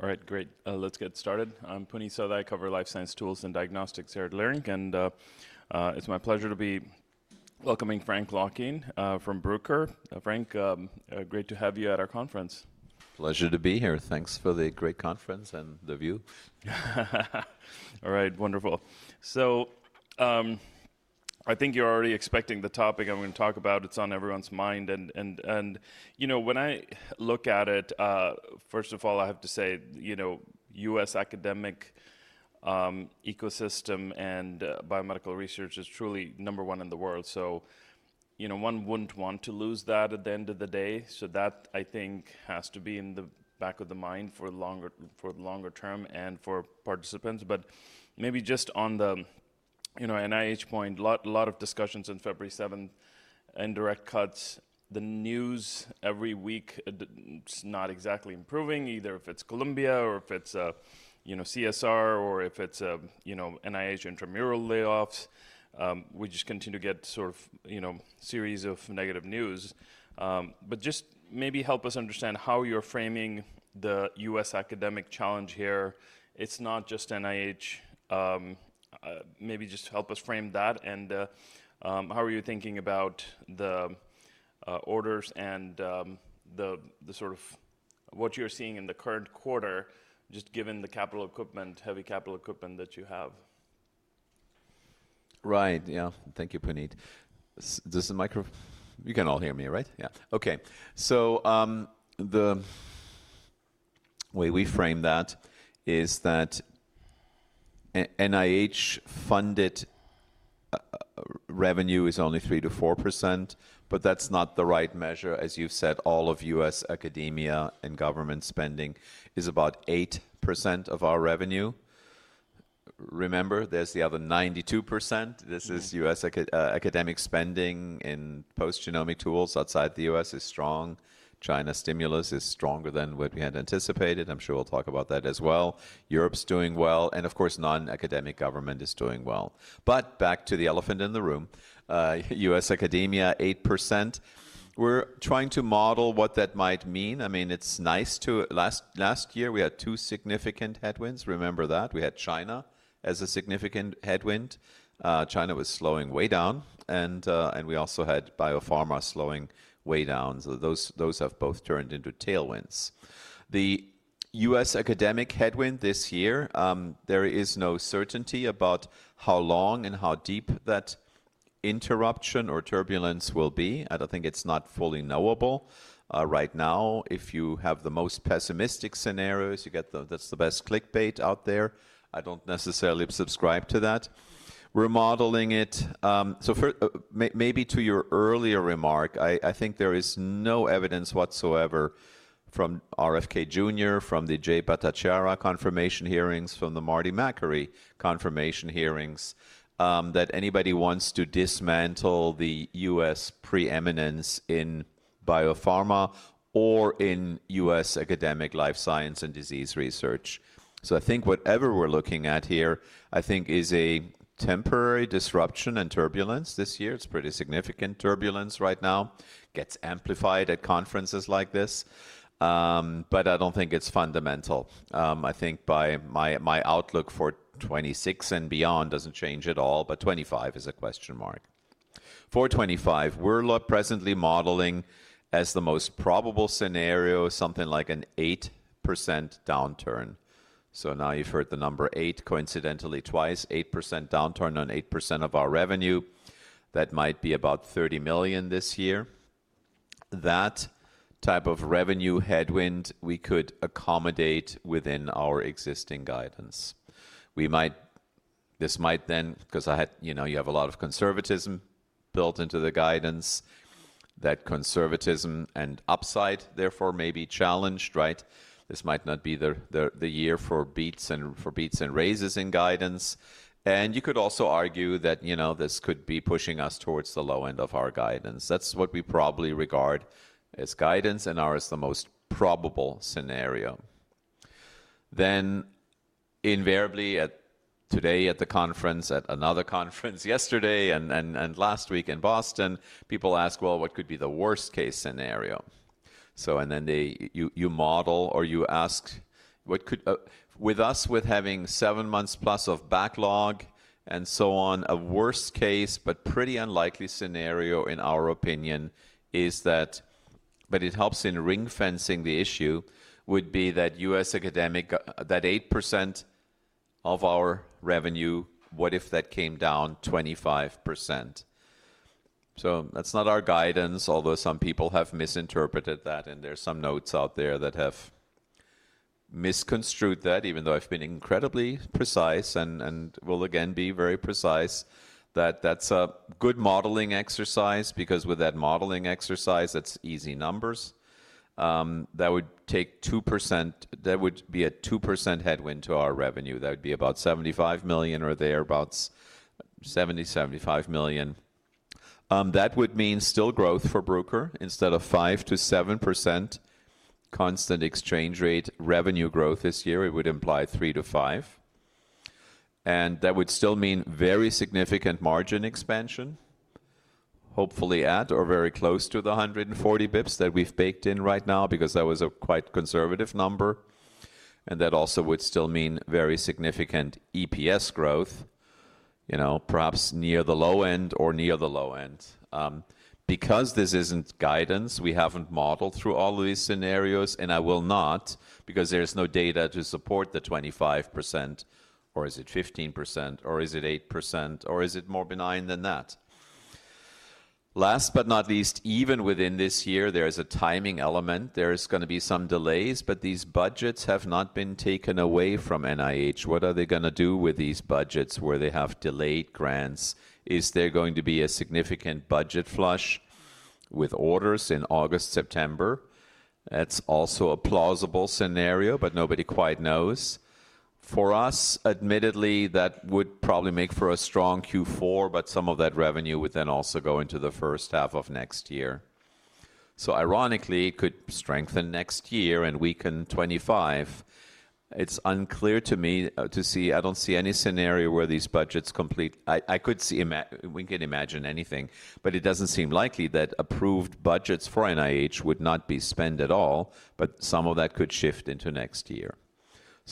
Okay. All right, great. Let's get started. I'm Puneet Souda. I cover life science tools and diagnostics here at Leerink, and it's my pleasure to be welcoming Frank Laukien from Bruker. Frank, great to have you at our conference. Pleasure to be here. Thanks for the great conference and the view. All right, wonderful. I think you're already expecting the topic I'm going to talk about. It's on everyone's mind. You know, when I look at it, first of all, I have to say, you know, U.S. academic ecosystem and biomedical research is truly number one in the world. You know, one wouldn't want to lose that at the end of the day. That, I think, has to be in the back of the mind for the longer term and for participants. Maybe just on the, you know, NIH point, a lot of discussions on February 7th, indirect cuts. The news every week is not exactly improving, either if it's Columbia or if it's, you know, CSR or if it's, you know, NIH intramural layoffs. We just continue to get sort of, you know, a series of negative news. Maybe just help us understand how you're framing the U.S. academic challenge here. It's not just NIH. Maybe just help us frame that. And how are you thinking about the orders and the sort of what you're seeing in the current quarter, just given the capital equipment, heavy capital equipment that you have? Right. Yeah. Thank you, Puneet. Does the microphone—you can all hear me, right? Yeah. Okay. The way we frame that is that NIH-funded revenue is only 3-4%, but that's not the right measure. As you've said, all of U.S. academia and government spending is about 8% of our revenue. Remember, there's the other 92%. This is U.S. academic spending in post-genomic tools. Outside the U.S. is strong. China stimulus is stronger than what we had anticipated. I'm sure we'll talk about that as well. Europe's doing well. Of course, non-academic government is doing well. Back to the elephant in the room, U.S. academia, 8%. We're trying to model what that might mean. I mean, it's nice to—last year we had two significant headwinds. Remember that. We had China as a significant headwind. China was slowing way down. We also had biopharma slowing way down. Those have both turned into tailwinds. The U.S. academic headwind this year, there is no certainty about how long and how deep that interruption or turbulence will be. I do not think it is fully knowable right now. If you have the most pessimistic scenarios, you get the—that is the best clickbait out there. I do not necessarily subscribe to that. We are modeling it. Maybe to your earlier remark, I think there is no evidence whatsoever from RFK Jr., from the Jay Bhattacharya confirmation hearings, from the Marty Makary confirmation hearings that anybody wants to dismantle the U.S. preeminence in biopharma or in U.S. academic life science and disease research. Whatever we are looking at here, I think, is a temporary disruption and turbulence this year. It is pretty significant turbulence right now. Gets amplified at conferences like this. I do not think it is fundamental. I think my outlook for 2026 and beyond does not change at all. For 2025, it is a question mark. For 2025, we are presently modeling as the most probable scenario something like an 8% downturn. Now you have heard the number eight coincidentally twice. 8% downturn on 8% of our revenue. That might be about $30 million this year. That type of revenue headwind we could accommodate within our existing guidance. We might—this might then—because I had, you know, you have a lot of conservatism built into the guidance. That conservatism and upside, therefore, may be challenged, right? This might not be the year for beats and raises in guidance. You could also argue that, you know, this could be pushing us towards the low end of our guidance. That's what we probably regard as guidance and as the most probable scenario. Invariably today at the conference, at another conference yesterday and last week in Boston, people ask, you know, what could be the worst-case scenario? You model or you ask what could—with us, with having seven months plus of backlog and so on, a worst-case but pretty unlikely scenario in our opinion is that—it helps in ring-fencing the issue—would be that U.S. academic, that 8% of our revenue, what if that came down 25%? That's not our guidance, although some people have misinterpreted that. There are some notes out there that have misconstrued that, even though I've been incredibly precise and will again be very precise, that that's a good modeling exercise because with that modeling exercise, that's easy numbers. That would take 2%; that would be a 2% headwind to our revenue. That would be about $75 million or thereabouts, $70-$75 million. That would mean still growth for Bruker instead of 5%-7% constant exchange rate revenue growth this year. It would imply 3%-5%. That would still mean very significant margin expansion, hopefully at or very close to the 140 basis points that we've baked in right now because that was a quite conservative number. That also would still mean very significant EPS growth, you know, perhaps near the low end or near the low end. Because this isn't guidance, we haven't modeled through all of these scenarios. I will not because there is no data to support the 25%, or is it 15%, or is it 8%, or is it more benign than that? Last but not least, even within this year, there is a timing element. There is going to be some delays, but these budgets have not been taken away from NIH. What are they going to do with these budgets where they have delayed grants? Is there going to be a significant budget flush with orders in August, September? That is also a plausible scenario, but nobody quite knows. For us, admittedly, that would probably make for a strong Q4, but some of that revenue would then also go into the first half of next year. Ironically, it could strengthen next year and weaken 2025. It is unclear to me. To see, I do not see any scenario where these budgets complete—I could see—we can imagine anything. It does not seem likely that approved budgets for NIH would not be spent at all, but some of that could shift into next year.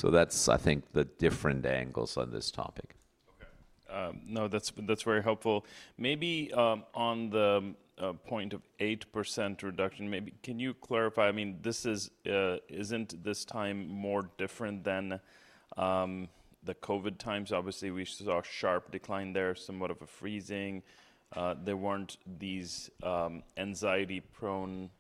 I think that's the different angles on this topic. Okay. No, that's very helpful. Maybe on the point of 8% reduction, maybe can you clarify? I mean, this isn't this time more different than the COVID times. Obviously, we saw a sharp decline there, somewhat of a freezing. There weren't these anxiety-prone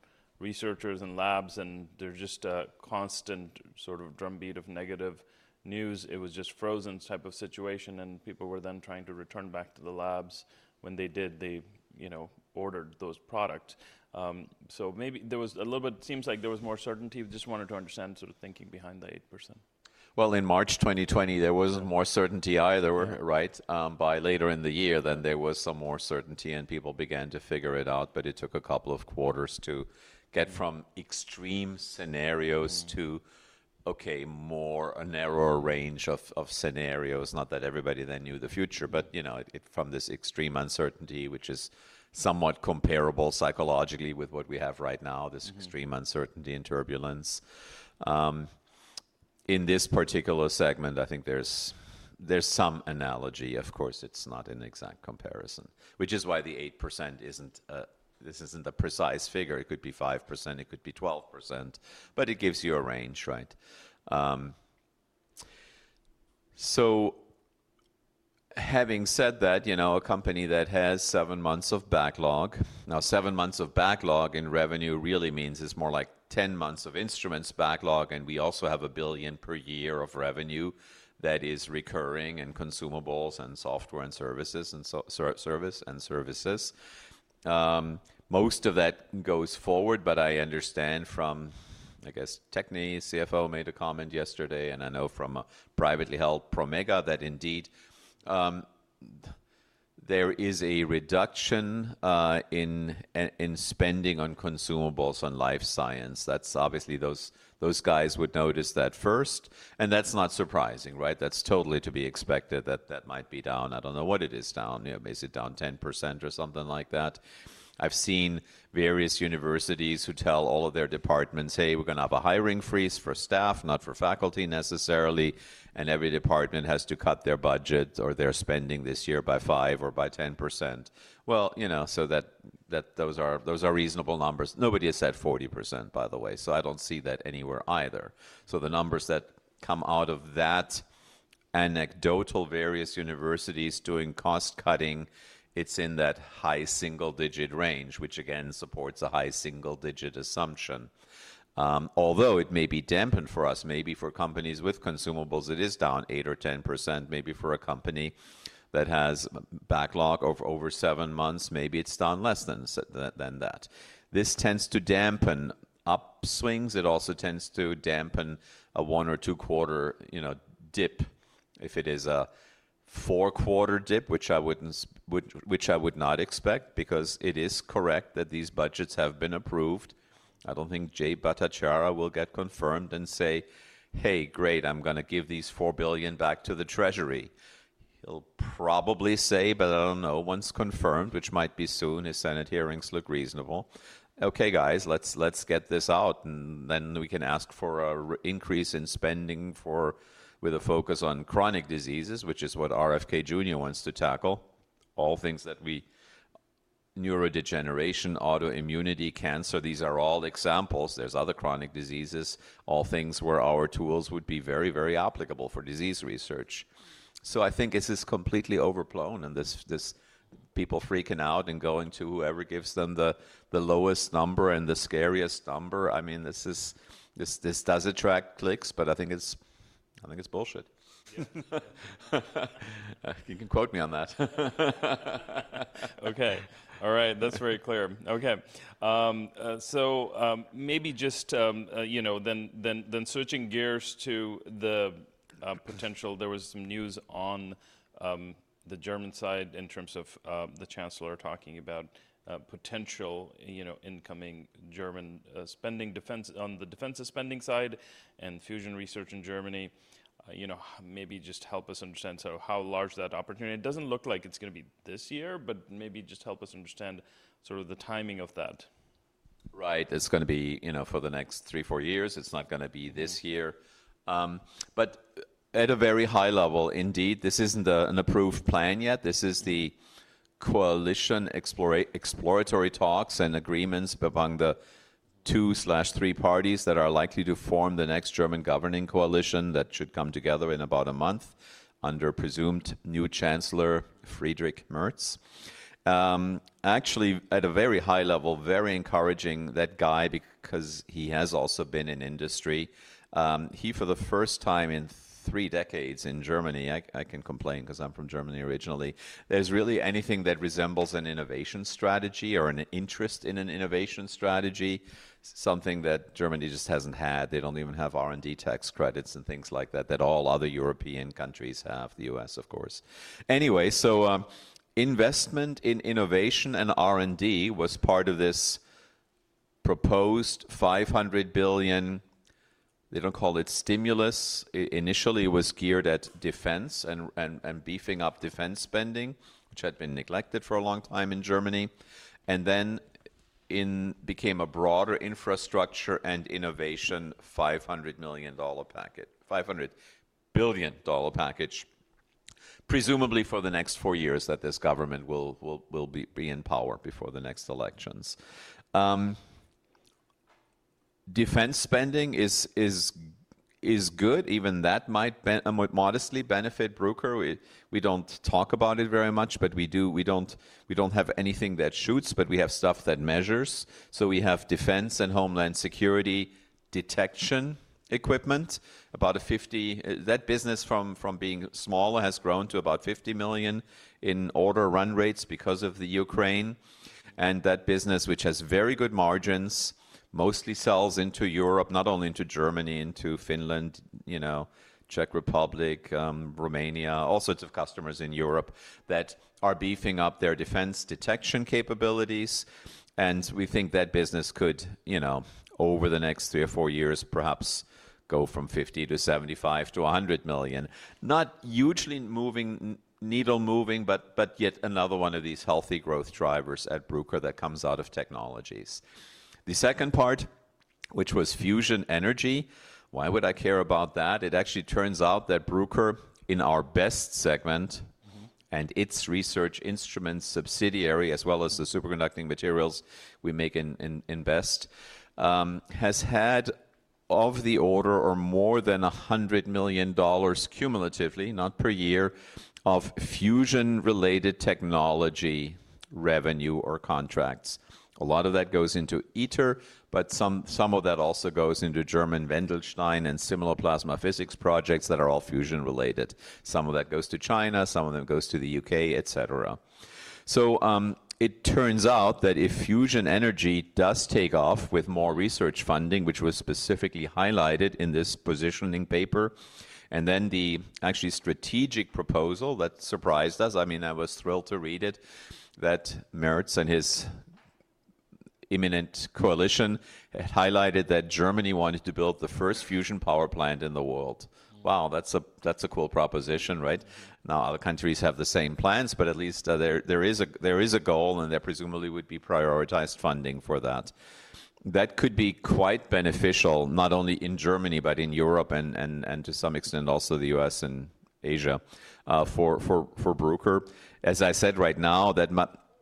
researchers and labs, and there's just a constant sort of drumbeat of negative news. It was just frozen type of situation. People were then trying to return back to the labs. When they did, they, you know, ordered those products. Maybe there was a little bit—seems like there was more certainty. Just wanted to understand sort of thinking behind the 8%. In March 2020, there was not more certainty either, right? By later in the year, then there was some more certainty and people began to figure it out. It took a couple of quarters to get from extreme scenarios to, okay, more a narrower range of scenarios. Not that everybody then knew the future, but, you know, from this extreme uncertainty, which is somewhat comparable psychologically with what we have right now, this extreme uncertainty and turbulence. In this particular segment, I think there is some analogy. Of course, it is not an exact comparison, which is why the 8% is not—this is not a precise figure. It could be 5%, it could be 12%. It gives you a range, right? Having said that, you know, a company that has seven months of backlog—now, seven months of backlog in revenue really means it's more like 10 months of instruments backlog. We also have $1 billion per year of revenue that is recurring in consumables and software and services. Most of that goes forward. I understand from, I guess, Techne. CFO made a comment yesterday. I know from a privately held Promega that indeed there is a reduction in spending on consumables on life science. Obviously those guys would notice that first. That is not surprising, right? That is totally to be expected that that might be down. I do not know what it is down. Is it down 10% or something like that? I've seen various universities who tell all of their departments, "Hey, we're going to have a hiring freeze for staff, not for faculty necessarily." Every department has to cut their budget or their spending this year by 5% or by 10%. You know, those are reasonable numbers. Nobody has said 40%, by the way. I don't see that anywhere either. The numbers that come out of that anecdotal various universities doing cost cutting, it's in that high single-digit range, which again supports a high single-digit assumption. Although it may be dampened for us, maybe for companies with consumables, it is down 8% or 10%. Maybe for a company that has backlog of over seven months, maybe it's down less than that. This tends to dampen upswings. It also tends to dampen a one or two-quarter, you know, dip if it is a four-quarter dip, which I would not expect because it is correct that these budgets have been approved. I do not think Jay Bhattacharya will get confirmed and say, "Hey, great, I am going to give these $4 billion back to the Treasury." He will probably say, but I do not know once confirmed, which might be soon if Senate hearings look reasonable. Okay, guys, let us get this out. And then we can ask for an increase in spending with a focus on chronic diseases, which is what RFK Jr. wants to tackle. All things that we—neurodegeneration, autoimmunity, cancer—these are all examples. There are other chronic diseases, all things where our tools would be very, very applicable for disease research. I think this is completely overblown. This people freaking out and going to whoever gives them the lowest number and the scariest number. I mean, this does attract clicks, but I think it's bullshit. You can quote me on that. Okay. All right. That's very clear. Okay. Maybe just, you know, then switching gears to the potential, there was some news on the German side in terms of the chancellor talking about potential, you know, incoming German spending on the defense spending side and fusion research in Germany. You know, maybe just help us understand sort of how large that opportunity is. It doesn't look like it's going to be this year, but maybe just help us understand sort of the timing of that. Right. It's going to be, you know, for the next three, four years. It's not going to be this year. At a very high level, indeed, this isn't an approved plan yet. This is the coalition exploratory talks and agreements among the two/three parties that are likely to form the next German governing coalition that should come together in about a month under presumed new chancellor Friedrich Merz. Actually, at a very high level, very encouraging that guy because he has also been in industry. He, for the first time in three decades in Germany, I can complain because I'm from Germany originally, there's really anything that resembles an innovation strategy or an interest in an innovation strategy, something that Germany just hasn't had. They don't even have R&D tax credits and things like that that all other European countries have, the U.S., of course. Anyway, investment in innovation and R&D was part of this proposed $500 billion. They do not call it stimulus. Initially, it was geared at defense and beefing up defense spending, which had been neglected for a long time in Germany. It became a broader infrastructure and innovation $500 million package, $500 billion package, presumably for the next four years that this government will be in power before the next elections. Defense spending is good. Even that might modestly benefit Bruker. We do not talk about it very much, but we do not have anything that shoots, but we have stuff that measures. We have defense and homeland security detection equipment, about a 50. That business from being small has grown to about $50 million in order run rates because of the Ukraine. That business, which has very good margins, mostly sells into Europe, not only into Germany, into Finland, you know, Czech Republic, Romania, all sorts of customers in Europe that are beefing up their defense detection capabilities. We think that business could, you know, over the next three or four years, perhaps go from $50 million to $75 million to $100 million. Not hugely needle moving, but yet another one of these healthy growth drivers at Bruker that comes out of technologies. The second part, which was fusion energy, why would I care about that? It actually turns out that Bruker, in our BEST segment and its research instruments subsidiary, as well as the superconducting materials we make in BEST, has had of the order or more than $100 million cumulatively, not per year, of fusion-related technology revenue or contracts. A lot of that goes into ITER, but some of that also goes into German Wendelstein and similar plasma physics projects that are all fusion-related. Some of that goes to China, some of them goes to the U.K., et cetera. It turns out that if fusion energy does take off with more research funding, which was specifically highlighted in this positioning paper, and then the actually strategic proposal that surprised us, I mean, I was thrilled to read it, that Merz and his imminent coalition had highlighted that Germany wanted to build the first fusion power plant in the world. Wow, that's a cool proposition, right? Now, other countries have the same plans, but at least there is a goal, and there presumably would be prioritized funding for that. That could be quite beneficial, not only in Germany, but in Europe and to some extent also the U.S. and Asia for Bruker. As I said right now, that,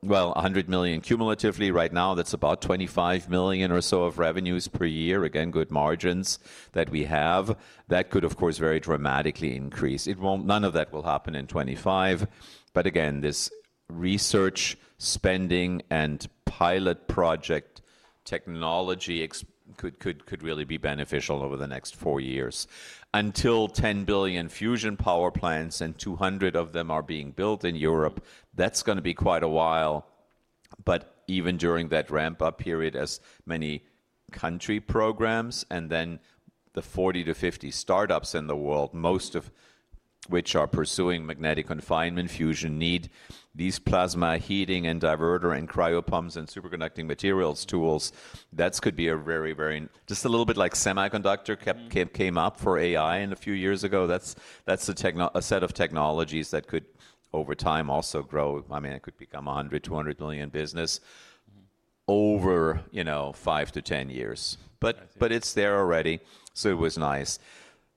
well, $100 million cumulatively, right now, that's about $25 million or so of revenues per year. Again, good margins that we have. That could, of course, very dramatically increase. None of that will happen in 2025. Again, this research spending and pilot project technology could really be beneficial over the next four years. Until $10 billion fusion power plants and 200 of them are being built in Europe, that's going to be quite a while. Even during that ramp-up period, as many country programs and then the 40-50 startups in the world, most of which are pursuing magnetic confinement fusion, need these plasma heating and diverter and cryopumps and superconducting materials tools. That could be a very, very just a little bit like semiconductor came up for AI a few years ago. That's a set of technologies that could, over time, also grow. I mean, it could become a $100 million-$200 million business over, you know, five to ten years. But it's there already, so it was nice.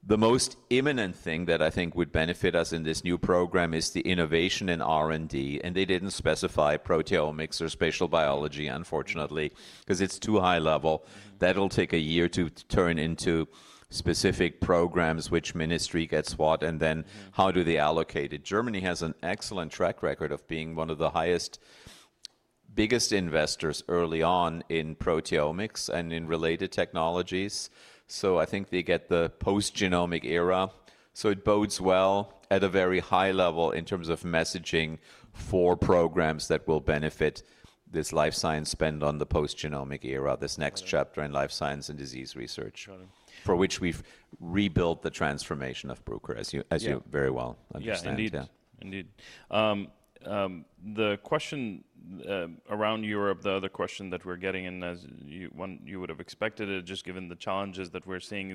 The most imminent thing that I think would benefit us in this new program is the innovation in R&D. They didn't specify proteomics or spatial biology, unfortunately, because it's too high level. That'll take a year to turn into specific programs, which ministry gets what, and then how do they allocate it. Germany has an excellent track record of being one of the highest, biggest investors early on in proteomics and in related technologies. I think they get the post-genomic era. It bodes well at a very high level in terms of messaging for programs that will benefit this life science spend on the post-genomic era, this next chapter in life science and disease research, for which we've rebuilt the transformation of Bruker, as you very well understand. Yeah, indeed. Indeed. The question around Europe, the other question that we're getting in, as you would have expected, just given the challenges that we're seeing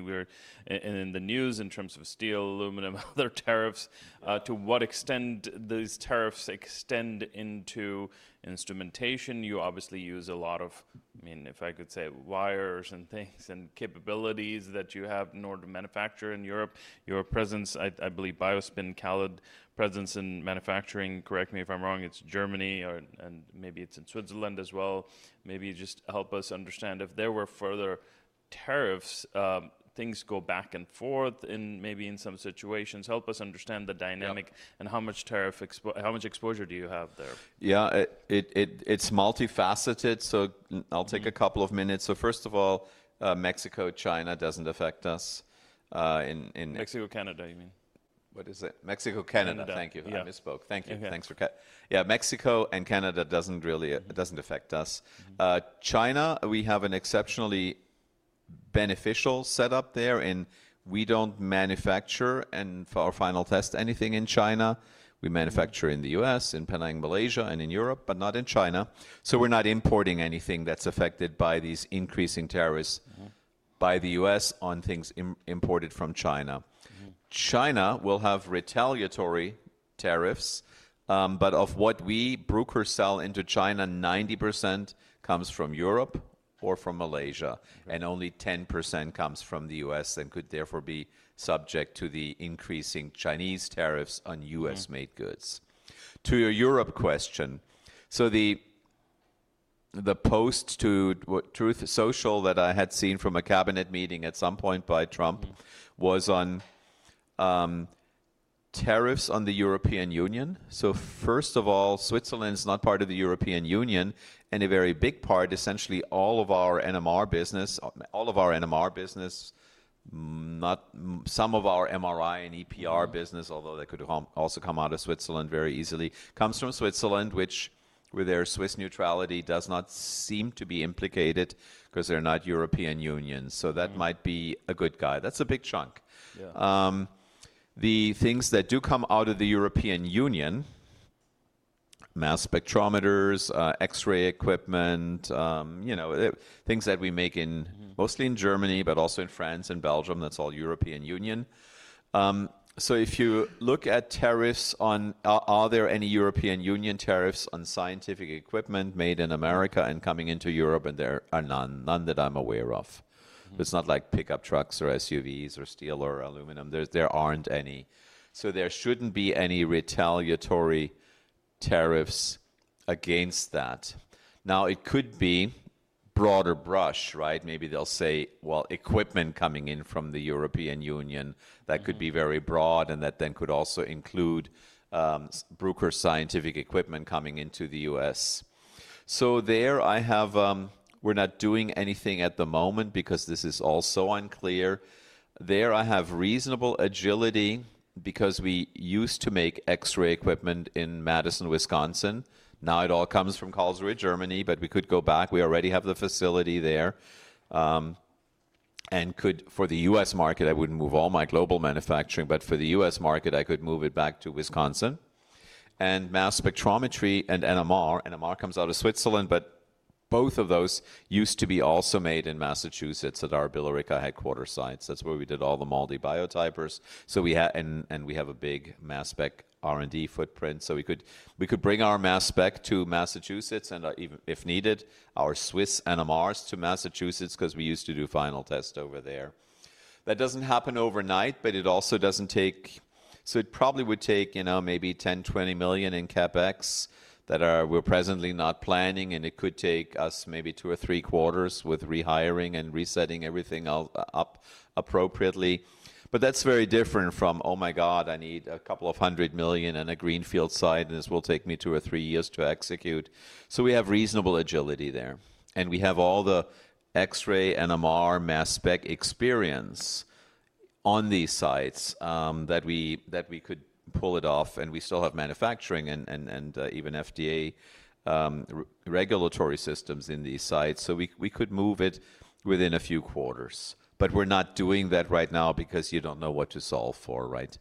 in the news in terms of steel, aluminum, other tariffs, to what extent these tariffs extend into instrumentation. You obviously use a lot of, I mean, if I could say, wires and things and capabilities that you have in order to manufacture in Europe. Your presence, I believe, Biospin calid presence in manufacturing, correct me if I'm wrong. It's Germany, and maybe it's in Switzerland as well. Maybe just help us understand if there were further tariffs, things go back and forth in maybe in some situations. Help us understand the dynamic and how much tariff, how much exposure do you have there. Yeah, it's multifaceted. I'll take a couple of minutes. First of all, Mexico, China doesn't affect us in. Mexico, Canada, you mean? What is it? Mexico, Canada. Thank you. I misspoke. Thank you. Thanks for. Yeah, Mexico and Canada doesn't really, it doesn't affect us. China, we have an exceptionally beneficial setup there in we don't manufacture and for our final test, anything in China. We manufacture in the U.S., in Penang, Malaysia, and in Europe, but not in China. So we're not importing anything that's affected by these increasing tariffs by the U.S. on things imported from China. China will have retaliatory tariffs, but of what we Bruker sell into China, 90% comes from Europe or from Malaysia, and only 10% comes from the U.S. and could therefore be subject to the increasing Chinese tariffs on U.S.-made goods. To your Europe question, the post to Truth Social that I had seen from a cabinet meeting at some point by Trump was on tariffs on the European Union. First of all, Switzerland is not part of the European Union. A very big part, essentially all of our NMR business, all of our NMR business, not some of our MRI and EPR business, although that could also come out of Switzerland very easily, comes from Switzerland, which with their Swiss neutrality does not seem to be implicated because they're not European Union. That might be a good guy. That's a big chunk. The things that do come out of the European Union, mass spectrometers, X-ray equipment, you know, things that we make mostly in Germany, but also in France and Belgium, that's all European Union. If you look at tariffs on, are there any European Union tariffs on scientific equipment made in America and coming into Europe, there are none, none that I'm aware of. It's not like pickup trucks or SUVs or steel or aluminum. There aren't any. There shouldn't be any retaliatory tariffs against that. Now, it could be broader brush, right? Maybe they'll say, well, equipment coming in from the European Union, that could be very broad, and that then could also include Bruker scientific equipment coming into the U.S. There I have, we're not doing anything at the moment because this is also unclear. There I have reasonable agility because we used to make X-ray equipment in Madison, Wisconsin. Now it all comes from Karlsruhe, Germany, but we could go back. We already have the facility there. And could for the U.S. market, I wouldn't move all my global manufacturing, but for the U.S. market, I could move it back to Wisconsin. Mass spectrometry and NMR, NMR comes out of Switzerland, but both of those used to be also made in Massachusetts at our Billerica headquarter sites. That is where we did all the MALDI Biotyper. We had, and we have, a big mass spec R&D footprint. We could bring our mass spec to Massachusetts and if needed, our Swiss NMRs to Massachusetts because we used to do final tests over there. That does not happen overnight, but it also does not take, so it probably would take, you know, maybe $10 million-$20 million in CapEx that we are presently not planning, and it could take us maybe two or three quarters with rehiring and resetting everything up appropriately. That is very different from, oh my God, I need a couple of hundred million and a greenfield site, and this will take me two or three years to execute. We have reasonable agility there. We have all the X-ray, NMR, mass spec experience on these sites that we could pull it off, and we still have manufacturing and even FDA regulatory systems in these sites. We could move it within a few quarters. We are not doing that right now because you do not know what to solve for, right?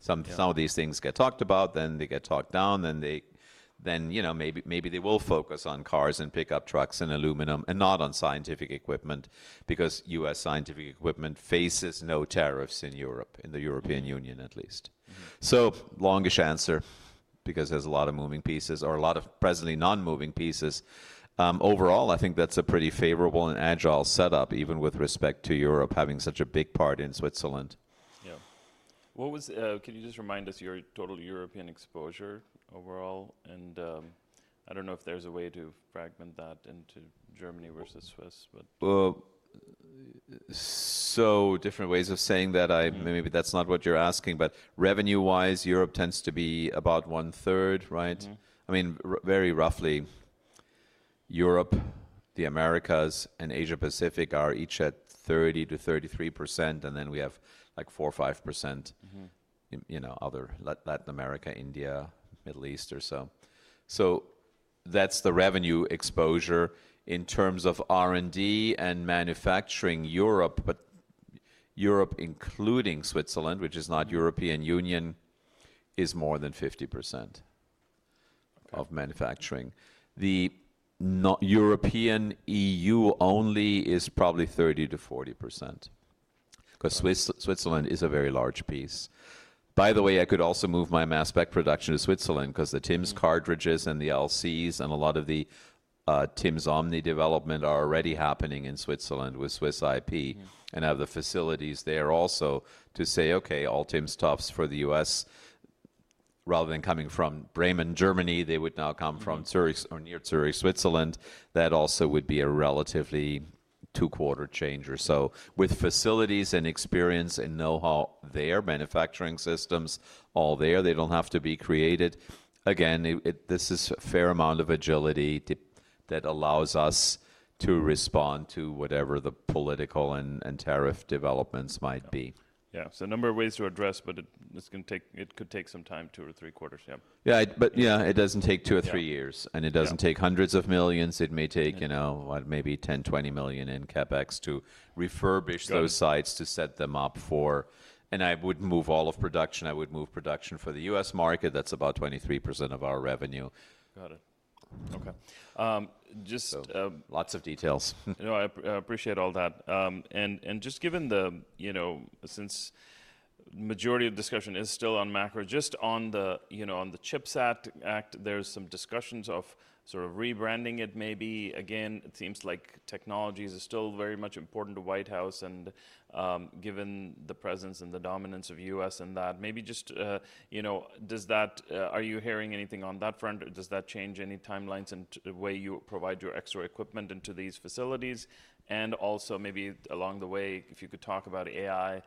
Some of these things get talked about, then they get talked down, then, you know, maybe they will focus on cars and pickup trucks and aluminum and not on scientific equipment because U.S. scientific equipment faces no tariffs in Europe, in the European Union at least. Longish answer because there are a lot of moving pieces or a lot of presently non-moving pieces. Overall, I think that is a pretty favorable and agile setup, even with respect to Europe having such a big part in Switzerland. Yeah. What was, can you just remind us your total European exposure overall? I do not know if there is a way to fragment that into Germany versus Swiss, but. Different ways of saying that, maybe that's not what you're asking, but revenue-wise, Europe tends to be about one-third, right? I mean, very roughly, Europe, the Americas, and Asia-Pacific are each at 30-33%, and then we have like 4-5%, you know, other Latin America, India, Middle East or so. That's the revenue exposure in terms of R&D and manufacturing. Europe, but Europe including Switzerland, which is not European Union, is more than 50% of manufacturing. The European EU only is probably 30-40% because Switzerland is a very large piece. By the way, I could also move my mass spec production to Switzerland because the TIMS cartridges and the LCs and a lot of the tims development are already happening in Switzerland with Swiss IP and have the facilities there also to say, okay, all timsTOFs for the U.S. Rather than coming from Bremen, Germany, they would now come from Zurich or near Zurich, Switzerland. That also would be a relatively two-quarter change or so with facilities and experience and know-how there, manufacturing systems all there. They do not have to be created. Again, this is a fair amount of agility that allows us to respond to whatever the political and tariff developments might be. Yeah. A number of ways to address, but it's going to take, it could take some time, two or three quarters. Yeah. Yeah, but yeah, it doesn't take two or three years, and it doesn't take hundreds of millions. It may take, you know, what, maybe $10 million-$20 million in CapEx to refurbish those sites to set them up for, and I would move all of production. I would move production for the U.S. market. That's about 23% of our revenue. Got it. Okay. Just. Lots of details. No, I appreciate all that. Just given the, you know, since the majority of discussion is still on macro, just on the, you know, on the CHIPS Act, there's some discussions of sort of rebranding it maybe. Again, it seems like technologies are still very much important to the White House. Given the presence and the dominance of the U.S. in that, maybe just, you know, does that, are you hearing anything on that front? Does that change any timelines and the way you provide your X-ray equipment into these facilities? Also, maybe along the way, if you could talk about AI,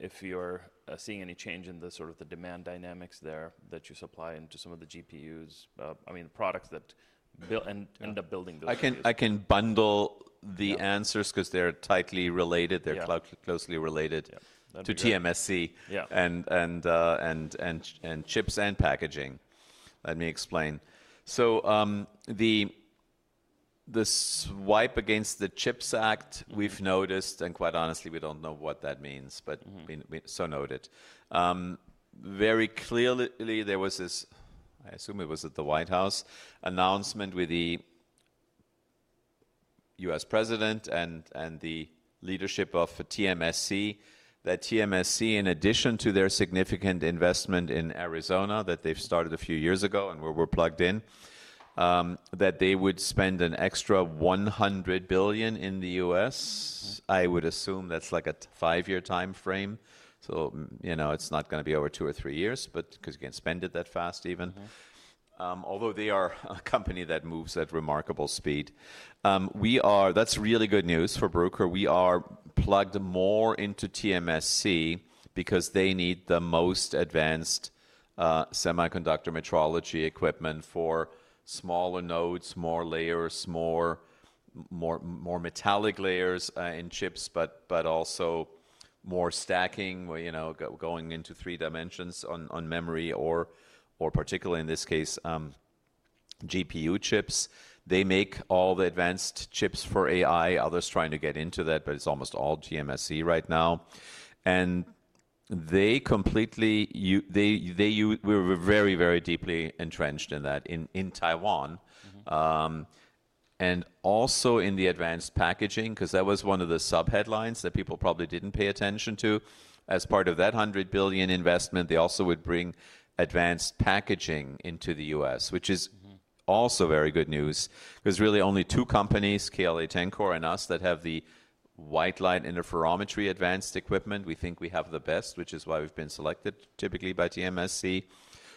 if you're seeing any change in the sort of the demand dynamics there that you supply into some of the GPUs, I mean, the products that end up building those. I can bundle the answers because they're tightly related, they're closely related to TSMC and chips and packaging. Let me explain. The swipe against the CHIPS Act, we've noticed, and quite honestly, we don't know what that means, but so noted. Very clearly, there was this, I assume it was at the White House, announcement with the U.S. president and the leadership of TSMC, that TSMC, in addition to their significant investment in Arizona that they've started a few years ago and were plugged in, that they would spend an extra $100 billion in the U.S. I would assume that's like a five-year time frame. You know, it's not going to be over two or three years, because you can't spend it that fast even. Although they are a company that moves at remarkable speed. We are, that's really good news for Bruker. We are plugged more into TSMC because they need the most advanced semiconductor metrology equipment for smaller nodes, more layers, more metallic layers in chips, but also more stacking, you know, going into three dimensions on memory or particularly in this case, GPU chips. They make all the advanced chips for AI. Others trying to get into that, but it's almost all TSMC right now. They were very, very deeply entrenched in that in Taiwan and also in the advanced packaging because that was one of the subheadlines that people probably did not pay attention to. As part of that $100 billion investment, they also would bring advanced packaging into the U.S., which is also very good news because really only two companies, KLA Corporation and us, have the white light interferometry advanced equipment. We think we have the best, which is why we've been selected typically by TSMC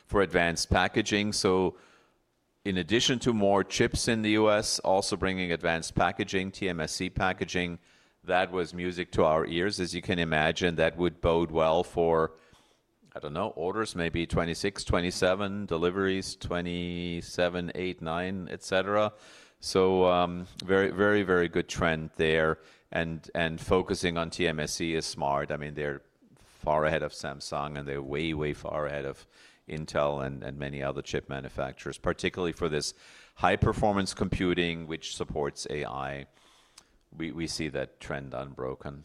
for advanced packaging. In addition to more chips in the U.S., also bringing advanced packaging, TSMC packaging, that was music to our ears. As you can imagine, that would bode well for, I don't know, orders, maybe 2026, 2027 deliveries, 2027, 2028, 2029, etc. Very, very good trend there. Focusing on TSMC is smart. I mean, they're far ahead of Samsung and they're way, way far ahead of Intel and many other chip manufacturers, particularly for this high-performance computing, which supports AI. We see that trend unbroken.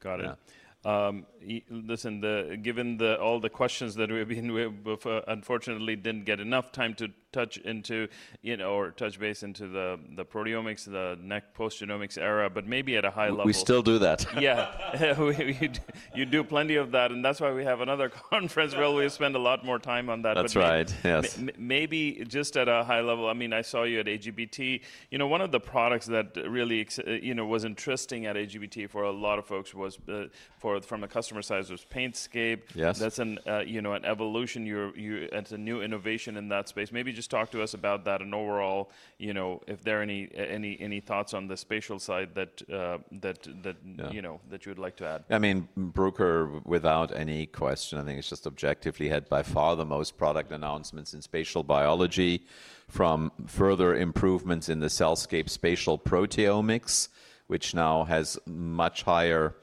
Got it. Listen, given all the questions that we've been, we've unfortunately didn't get enough time to touch into, you know, or touch base into the proteomics, the neck post-genomics era, but maybe at a high level. We still do that. Yeah. You do plenty of that. That is why we have another conference where we spend a lot more time on that. That's right. Yes. Maybe just at a high level. I mean, I saw you at AGBT. You know, one of the products that really, you know, was interesting at AGBT for a lot of folks was from a customer side was PaintScape. That's an, you know, an evolution. It's a new innovation in that space. Maybe just talk to us about that and overall, you know, if there are any thoughts on the spatial side that, you know, that you would like to add. I mean, Bruker, without any question, I think it's just objectively had by far the most product announcements in spatial biology from further improvements in the CellScape spatial proteomics, which now has much higher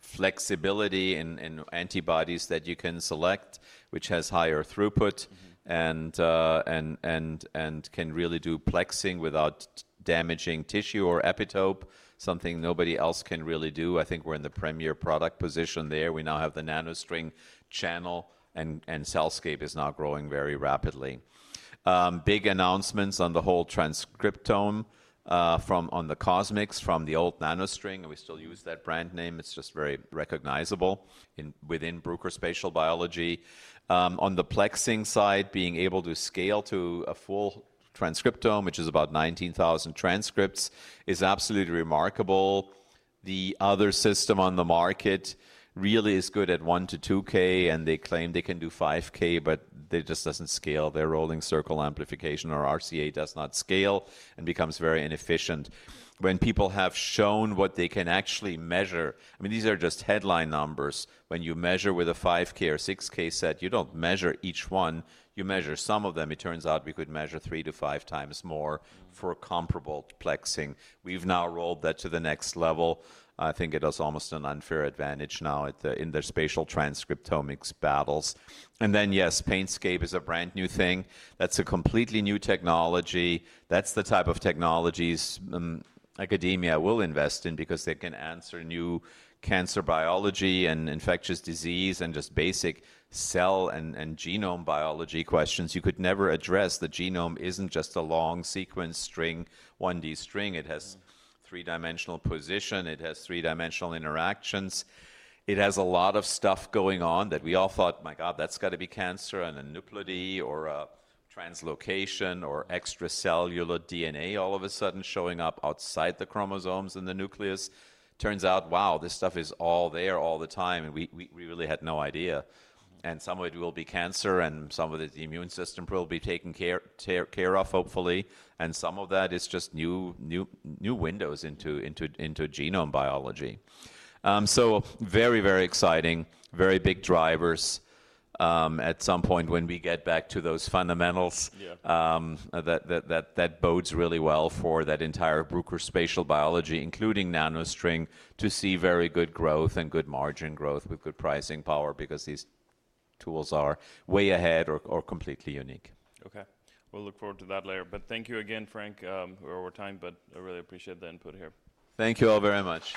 flexibility in antibodies that you can select, which has higher throughput and can really do plexing without damaging tissue or epitope, something nobody else can really do. I think we're in the premier product position there. We now have the NanoString channel and CellScape is now growing very rapidly. Big announcements on the whole transcriptome from on the CosMx from the old NanoString. We still use that brand name. It's just very recognizable within Bruker spatial biology. On the plexing side, being able to scale to a full transcriptome, which is about 19,000 transcripts, is absolutely remarkable. The other system on the market really is good at 1 to 2K, and they claim they can do 5K, but it just does not scale. Their rolling circle amplification or RCA does not scale and becomes very inefficient. When people have shown what they can actually measure, I mean, these are just headline numbers. When you measure with a 5K or 6K set, you do not measure each one. You measure some of them. It turns out we could measure three to five times more for comparable plexing. We have now rolled that to the next level. I think it has almost an unfair advantage now in the spatial transcriptomics battles. Yes, Painscape is a brand new thing. That is a completely new technology. That is the type of technologies academia will invest in because they can answer new cancer biology and infectious disease and just basic cell and genome biology questions. You could never address the genome isn't just a long sequence string, 1D string. It has three-dimensional position. It has three-dimensional interactions. It has a lot of stuff going on that we all thought, my God, that's got to be cancer and a nucleotide or a translocation or extracellular DNA all of a sudden showing up outside the chromosomes in the nucleus. Turns out, wow, this stuff is all there all the time. We really had no idea. Some of it will be cancer and some of the immune system will be taken care of, hopefully. Some of that is just new windows into genome biology. Very, very exciting, very big drivers. At some point when we get back to those fundamentals, that bodes really well for that entire Bruker spatial biology, including NanoString, to see very good growth and good margin growth with good pricing power because these tools are way ahead or completely unique. Okay. We'll look forward to that later. Thank you again, Frank, for our time. I really appreciate the input here. Thank you all very much.